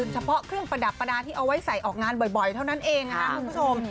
เฉพาะเครื่องประดับประดาษที่เอาไว้ใส่ออกงานบ่อยเท่านั้นเองนะครับคุณผู้ชม